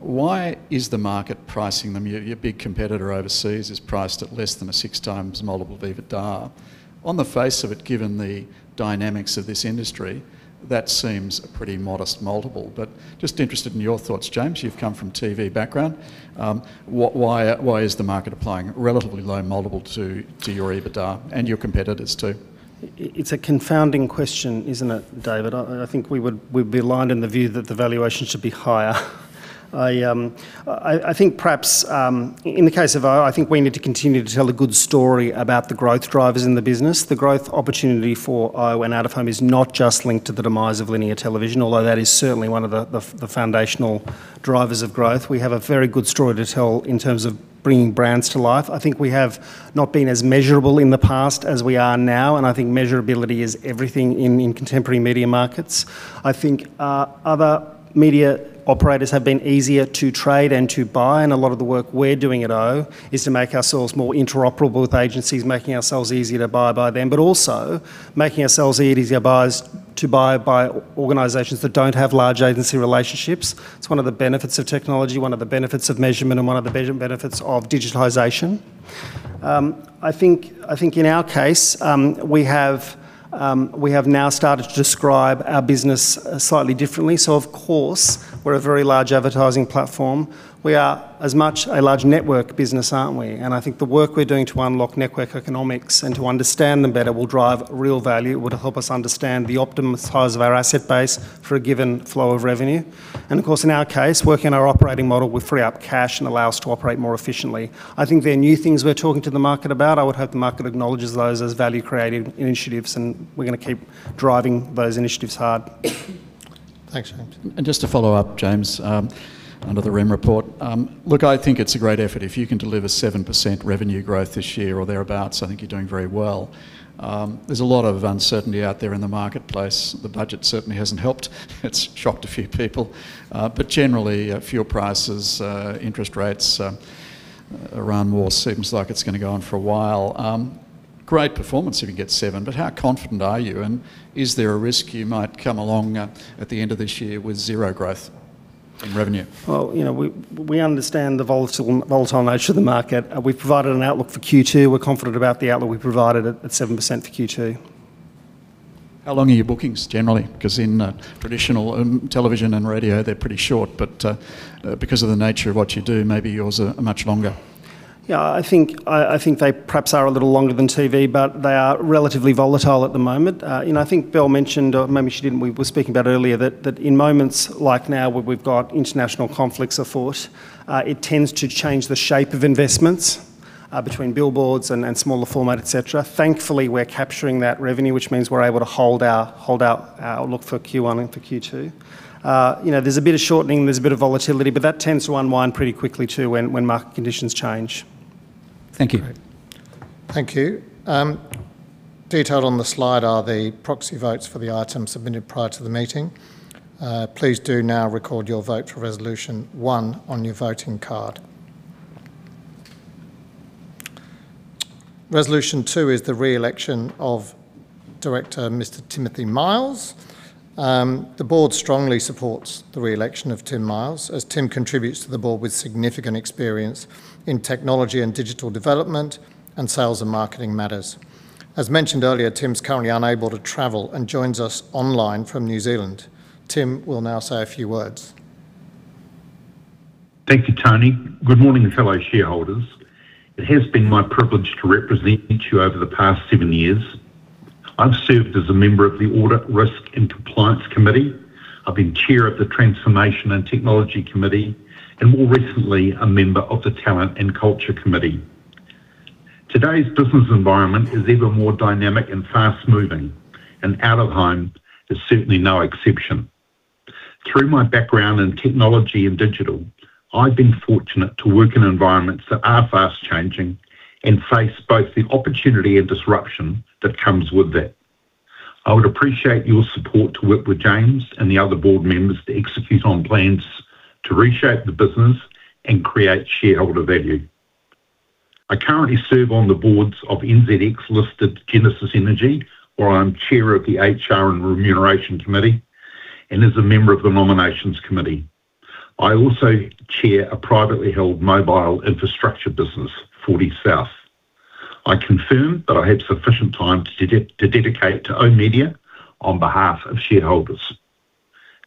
why is the market pricing them Your big competitor overseas is priced at less than a six times multiple of EBITDA. On the face of it, given the dynamics of this industry, that seems a pretty modest multiple. Just interested in your thoughts, James. You've come from TV background. Why is the market applying a relatively low multiple to your EBITDA and your competitors too? It's a confounding question, isn't it, David? I think we would, we'd be aligned in the view that the valuation should be higher. I think perhaps in the case of oOh!, I think we need to continue to tell a good story about the growth drivers in the business. The growth opportunity for oOh! and Out of Home is not just linked to the demise of linear television, although that is certainly one of the foundational drivers of growth. We have a very good story to tell in terms of bringing brands to life. I think we have not been as measurable in the past as we are now, and I think measurability is everything in contemporary media markets. I think other media operators have been easier to trade and to buy, and a lot of the work we're doing at oOh! is to make ourselves more interoperable with agencies, making ourselves easier to buy by them. Also making ourselves easier buys to buy by organizations that don't have large agency relationships. It's one of the benefits of technology, one of the benefits of measurement, and one of the benefits of digitization. I think in our case, we have now started to describe our business slightly differently. Of course we're a very large advertising platform. We are as much a large network business, aren't we? I think the work we're doing to unlock network economics and to understand them better will drive real value, will help us understand the optimize size of our asset base for a given flow of revenue. Of course, in our case, working our operating model will free up cash and allow us to operate more efficiently. I think there are new things we're talking to the market about. I would hope the market acknowledges those as value creating initiatives, and we're gonna keep driving those initiatives hard. Thanks, James. Just to follow up, James, under the rem report, look, I think it's a great effort. If you can deliver 7% revenue growth this year or thereabouts, I think you're doing very well. There's a lot of uncertainty out there in the marketplace. The budget certainly hasn't helped. It's shocked a few people. Generally, fuel prices, interest rates, Iran War seems like it's gonna go on for a while. Great performance if you get 7%, how confident are you? Is there a risk you might come along at the end of this year with zero growth in revenue? Well, you know, we understand the volatile nature of the market. We've provided an outlook for Q2. We're confident about the outlook we've provided at 7% for Q2. How long are your bookings generally? In traditional television and radio, they're pretty short, but because of the nature of what you do, maybe yours are much longer. I think they perhaps are a little longer than TV, but they are relatively volatile at the moment. You know, I think Bel mentioned, or maybe she didn't, we were speaking about earlier, that in moments like now where we've got international conflicts afoot, it tends to change the shape of investments between billboards and smaller format, et cetera. Thankfully, we're capturing that revenue, which means we're able to hold our outlook for Q1 and for Q2. You know, there's a bit of shortening, there's a bit of volatility, but that tends to unwind pretty quickly too when market conditions change. Thank you. Great. Thank you. Detailed on the slide are the proxy votes for the item submitted prior to the meeting. Please do now record your vote for resolution one on your voting card. Resolution two is the reelection of Director Mr. Timothy Miles. The board strongly supports the reelection of Tim Miles, as Tim contributes to the board with significant experience in technology and digital development, and sales and marketing matters. As mentioned earlier, Tim's currently unable to travel and joins us online from New Zealand. Tim will now say a few words. Thank you, Tony. Good morning, fellow shareholders. It has been my privilege to represent you over the past seven years. I've served as a member of the Audit, Risk, and Compliance Committee. I've been chair of the Transformation and Technology Committee, and more recently, a member of the Talent and Culture Committee. Today's business environment is even more dynamic and fast-moving, and Out of Home is certainly no exception. Through my background in technology and digital, I've been fortunate to work in environments that are fast-changing and face both the opportunity and disruption that comes with that. I would appreciate your support to work with James and the other board members to execute on plans to reshape the business and create shareholder value. I currently serve on the boards of NZX-listed Genesis Energy, where I'm chair of the HR and Remuneration Committee, and as a member of the Nominations Committee. I also chair a privately held mobile infrastructure business, Fortysouth. I confirm that I have sufficient time to dedicate to oOh!media on behalf of shareholders.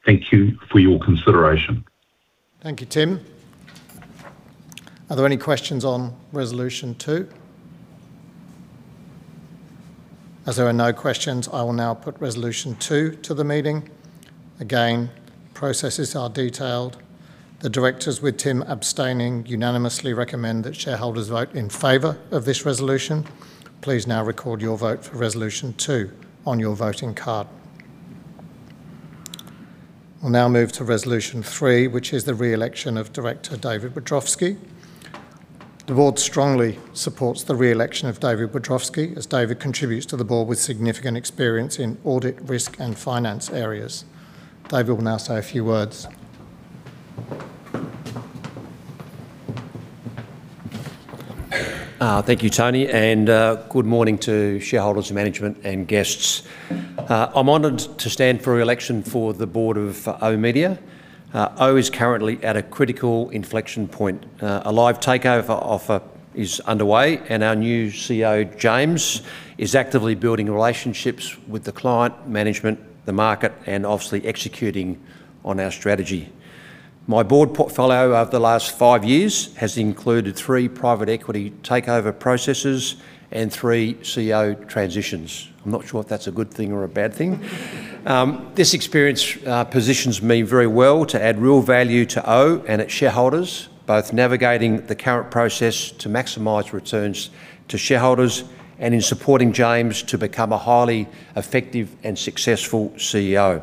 Thank you for your consideration. Thank you, Tim. Are there any questions on resolution two? As there are no questions, I will now put resolution two to the meeting. Again, processes are detailed. The directors, with Tim abstaining, unanimously recommend that shareholders vote in favor of this resolution. Please now record your vote for resolution two on your voting card. We will now move to resolution three, which is the reelection of Director David Wiadrowski. The board strongly supports the reelection of David Wiadrowski, as David contributes to the board with significant experience in audit, risk, and finance areas. David will now say a few words. Thank you, Tony, and good morning to shareholders, management, and guests. I'm honored to stand for reelection for the board of oOh!media. A live takeover offer is underway, and our new CEO, James, is actively building relationships with the client, management, the market, and obviously executing on our strategy. My board portfolio over the last five years has included three private equity takeover processes and three CEO transitions. I'm not sure if that's a good thing or a bad thing. This experience positions me very well to add real value to oOh! and its shareholders, both navigating the current process to maximize returns to shareholders and in supporting James to become a highly effective and successful CEO.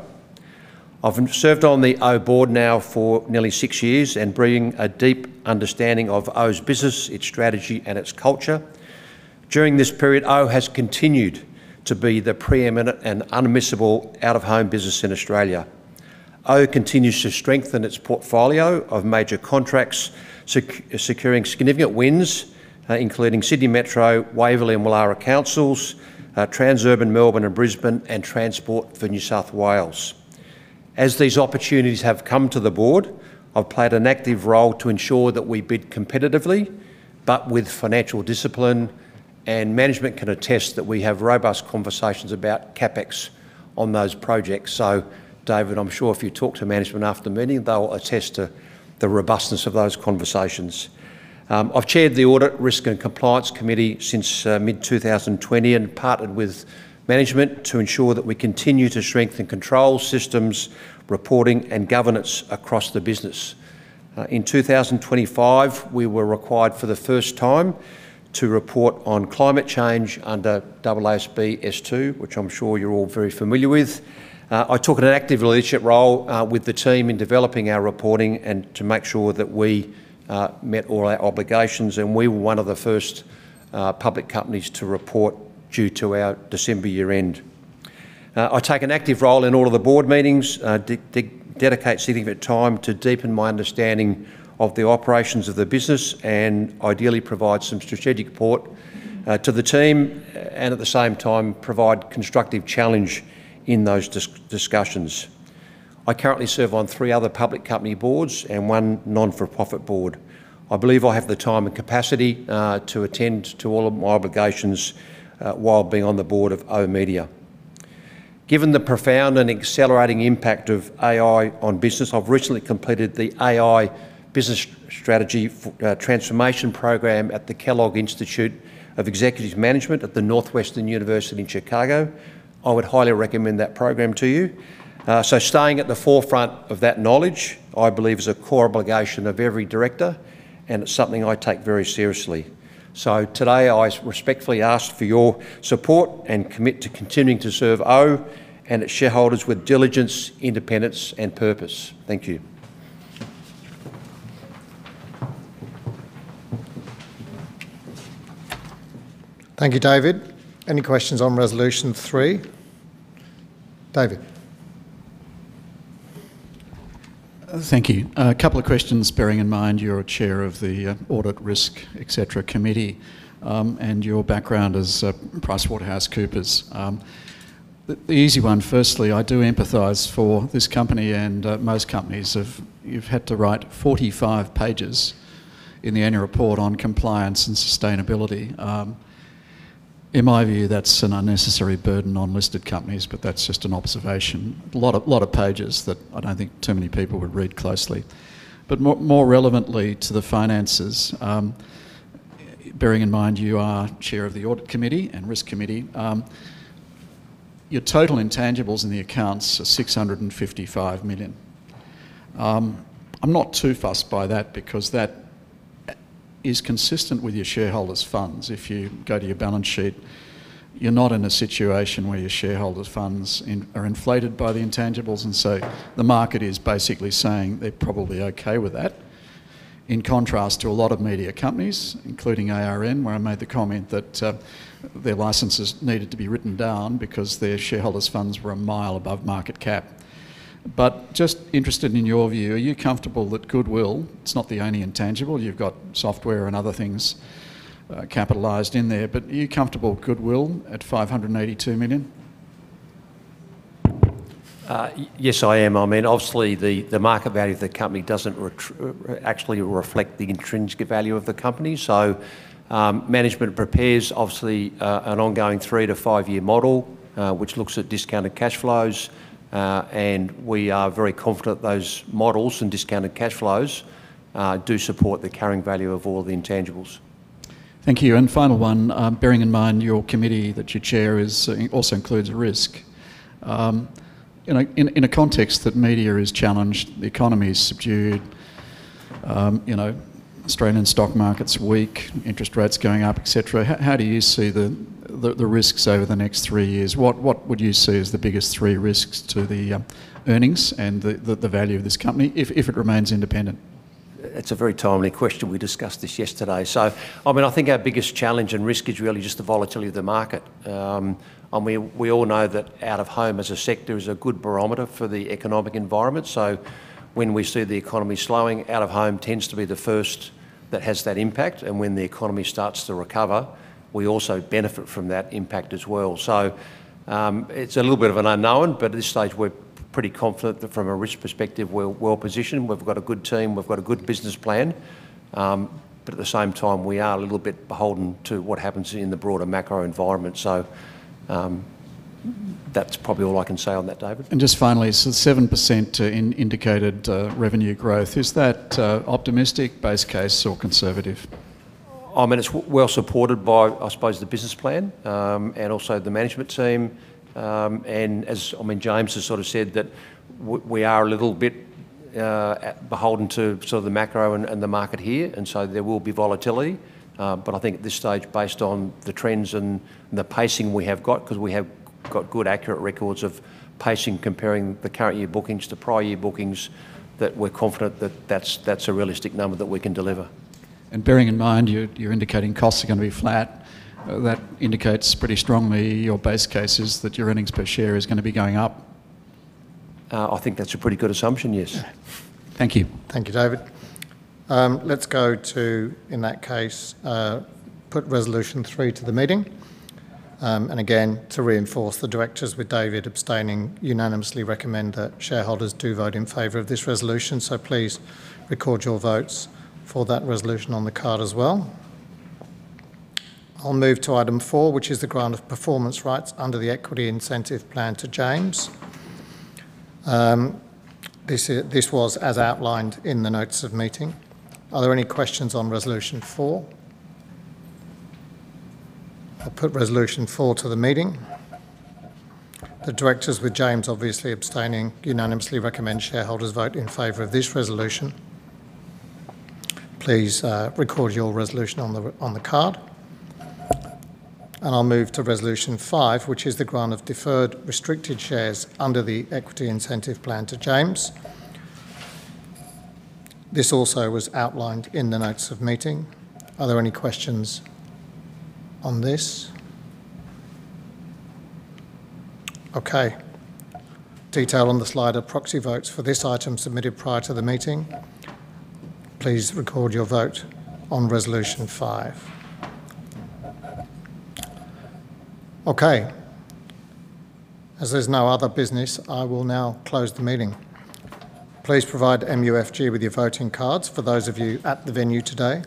I've served on the oOh! Board now for nearly six years and bring a deep understanding of oOh!'s business, its strategy and its culture. During this period, oOh! has continued to be the preeminent and unmissable Out of Home business in Australia. oOh! continues to strengthen its portfolio of major contracts securing significant wins, including Sydney Metro, Waverley and Woollahra Councils, Transurban Melbourne and Brisbane, and Transport for New South Wales. As these opportunities have come to the board, I've played an active role to ensure that we bid competitively but with financial discipline, and management can attest that we have robust conversations about CapEx on those projects. David, I'm sure if you talk to management after the meeting, they'll attest to the robustness of those conversations. I've chaired the Audit, Risk and Compliance Committee since mid-2020 and partnered with management to ensure that we continue to strengthen control systems, reporting and governance across the business. In 2025, we were required for the first time to report on climate change under AASB S2, which I'm sure you're all very familiar with. I took an active leadership role with the team in developing our reporting and to make sure that we met all our obligations, and we were one of the first public companies to report due to our December year-end. I take an active role in all of the board meetings, dedicate significant time to deepen my understanding of the operations of the business and ideally provide some strategic support to the team, and at the same time provide constructive challenge in those discussions. I currently serve on three other public company boards and one not-for-profit board. I believe I have the time and capacity to attend to all of my obligations while being on the board of oOh!media. Given the profound and accelerating impact of AI on business, I've recently completed the AI Business Strategy Transformation Program at the Kellogg School of Management at the Northwestern University in Chicago. I would highly recommend that program to you. Staying at the forefront of that knowledge, I believe, is a core obligation of every director, and it's something I take very seriously. Today, I respectfully ask for your support and commit to continuing to serve oOh! and its shareholders with diligence, independence and purpose. Thank you. Thank you, David. Any questions on resolution three? David. Thank you. A couple of questions, bearing in mind you're a Chair of the Audit, Risk, et cetera, Committee, and your background as PricewaterhouseCoopers. The easy one, firstly, I do empathize for this company and most companies of you've had to write 45 pages in the annual report on compliance and sustainability. In my view, that's an unnecessary burden on listed companies, but that's just an observation. A lot of pages that I don't think too many people would read closely. More relevantly to the finances, bearing in mind you are Chair of the Audit Committee and Risk Committee, your total intangibles in the accounts are 655 million. I'm not too fussed by that because that is consistent with your shareholders' funds. If you go to your balance sheet, you're not in a situation where your shareholders' funds in, are inflated by the intangibles, and so the market is basically saying they're probably okay with that. In contrast to a lot of media companies, including ARN, where I made the comment that their licenses needed to be written down because their shareholders' funds were a mile above market cap. Just interested in your view, are you comfortable that goodwill, it's not the only intangible, you've got software and other things capitalized in there, but are you comfortable goodwill at 582 million? Yes, I am. I mean, obviously the market value of the company doesn't actually reflect the intrinsic value of the company. management prepares obviously an ongoing three to five-year model which looks at discounted cash flows. we are very confident those models and discounted cash flows do support the carrying value of all the intangibles. Thank you. Final one, bearing in mind your committee that you chair also includes risk. In a context that media is challenged, the economy is subdued, you know, Australian stock market's weak, interest rates going up, et cetera, how do you see the risks over the next three years? What would you see as the biggest three risks to the earnings and the value of this company if it remains independent? It's a very timely question. We discussed this yesterday. I mean, I think our biggest challenge and risk is really just the volatility of the market. And we all know that Out of Home as a sector is a good barometer for the economic environment. When we see the economy slowing, Out of Home tends to be the first that has that impact, and when the economy starts to recover, we also benefit from that impact as well. It's a little bit of an unknown, but at this stage we're pretty confident that from a risk perspective, we're well positioned. We've got a good team, we've got a good business plan. But at the same time, we are a little bit beholden to what happens in the broader macro environment. That's probably all I can say on that, David. Just finally, the 7% indicated revenue growth, is that optimistic, base case, or conservative? I mean, it's well-supported by, I suppose, the business plan, and also the management team. As, I mean, James has sort of said that we are a little bit beholden to sort of the macro and the market here, and so there will be volatility. I think at this stage, based on the trends and the pacing we have got, 'cause we have got good accurate records of pacing, comparing the current year bookings to prior year bookings, that we're confident that that's a realistic number that we can deliver. Bearing in mind, you're indicating costs are gonna be flat, that indicates pretty strongly your base case is that your earnings per share is gonna be going up. I think that's a pretty good assumption, yes. Thank you. Thank you, David. Let's go to, in that case, put resolution three to the meeting. Again, to reinforce, the Directors, with David abstaining, unanimously recommend that shareholders do vote in favor of this resolution. Please record your votes for that resolution on the card as well. I'll move to item four, which is the grant of performance rights under the equity incentive plan to James. This was as outlined in the notes of meeting. Are there any questions on resolution four? I'll put resolution four to the meeting. The Directors, with James obviously abstaining, unanimously recommend shareholders vote in favor of this resolution. Please record your resolution on the card. I'll move to resolution five, which is the grant of deferred restricted shares under the equity incentive plan to James. This also was outlined in the notes of meeting. Are there any questions on this? Okay. Detail on the slide are proxy votes for this item submitted prior to the meeting. Please record your vote on resolution five. Okay. As there's no other business, I will now close the meeting. Please provide MUFG with your voting cards for those of you at the venue today.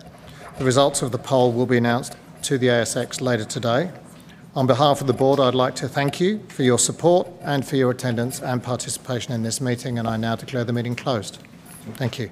The results of the poll will be announced to the ASX later today. On behalf of the board, I'd like to thank you for your support and for your attendance and participation in this meeting, and I now declare the meeting closed. Thank you.